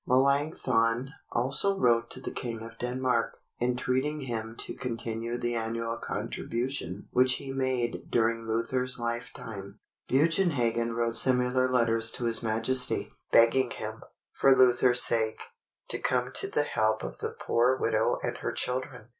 Melanchthon also wrote to the King of Denmark, entreating him to continue the annual contribution which he made during Luther's lifetime. Bugenhagen wrote similar letters to his Majesty, begging him, for Luther's sake, to come to the help of "the poor widow and her children."